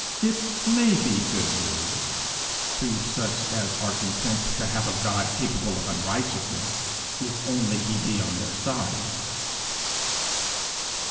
It may be good news to such as are content to have a God capable of unrighteousness, if only he be on their side!